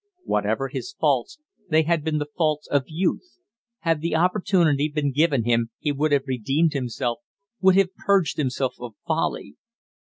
Whatever his faults, they had been the faults of youth; had the opportunity been given him he would have redeemed himself, would have purged himself of folly.